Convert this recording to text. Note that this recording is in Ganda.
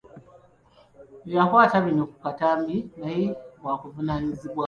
Eyakwata bino ku katambi naye waakuvunaanibwa.